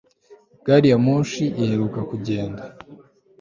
Gari ya moshi iheruka kugenda